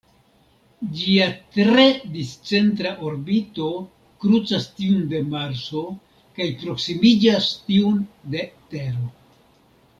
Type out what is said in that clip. Ĝia tre discentra orbito krucas tiun de Marso, kaj proksimiĝas tiun de Tero.